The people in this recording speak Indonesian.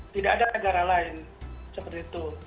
tidak ada negara lain seperti itu